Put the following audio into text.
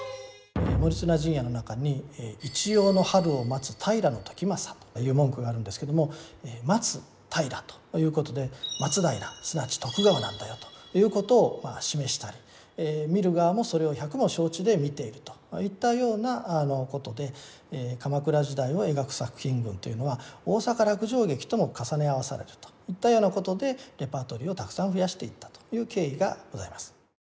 「盛綱陣屋」の中にという文句があるんですけども「待つ平」ということで「松平」すなわち徳川なんだよということを示したり見る側もそれを百も承知で見ているといったようなことで鎌倉時代を描く作品群というのは大坂落城劇とも重ね合わされるといったようなことでレパートリーをたくさん増やしていったという経緯がございます。